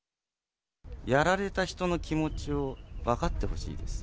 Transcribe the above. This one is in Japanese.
やられた人の気持ちを分かってほしいです。